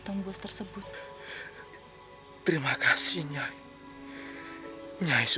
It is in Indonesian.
dan aku ingin menjadi wanita tercantik